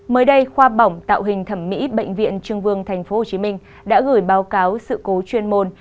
mới đây khoa bỏng tạo hình thẩm mỹ bệnh viện trưng vương tp hcm đã gửi báo cáo sự cố chuyên môn